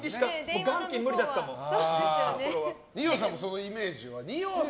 二葉さんも、そのイメージは？